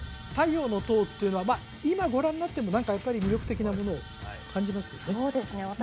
太陽の塔っていうのは今ご覧になっても何かやっぱり魅力的なものを感じますね？